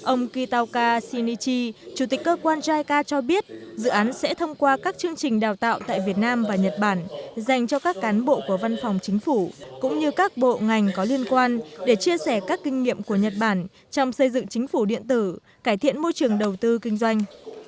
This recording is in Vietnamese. ông kitauka shinichi chủ tịch cơ quan jica cho biết dự án sẽ thông qua các chương trình đào tạo tại việt nam và nhật bản dành cho các cán bộ của văn phòng chính phủ cũng như các bộ ngành có liên quan để chia sẻ các kinh nghiệm của nhật bản trong xây dựng chính phủ điện tử cải thiện môi trường đầu tư kinh doanh